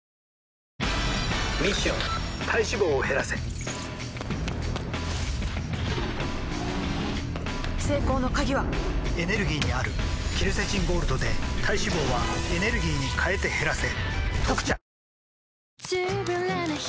ミッション体脂肪を減らせ成功の鍵はエネルギーにあるケルセチンゴールドで体脂肪はエネルギーに変えて減らせ「特茶」